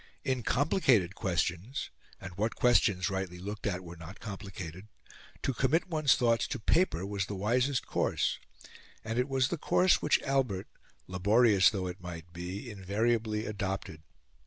In complicated questions and what questions, rightly looked at, were not complicated? to commit one's thoughts to paper was the wisest course, and it was the course which Albert, laborious though it might be, invariably adopted.